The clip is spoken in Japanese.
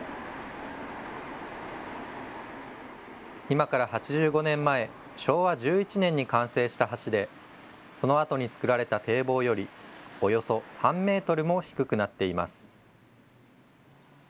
今から８５年前、昭和１１年に完成した橋でそのあとに作られた堤防よりおよそ３メートルも低くなっています。